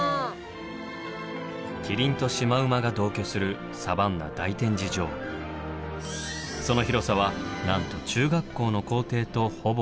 キリンとシマウマが同居するその広さはなんと中学校の校庭とほぼ同じ。